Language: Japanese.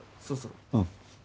うん。